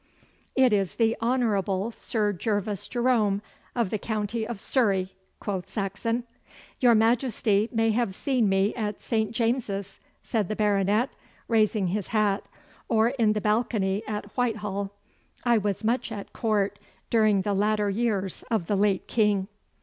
'It is the Honourable Sir Gervas Jerome of the county of Surrey,' quoth Saxon. 'Your Majesty may have seen me at St. James's,' said the baronet, raising his hat, 'or in the balcony at Whitehall. I was much at Court during the latter years of the late king.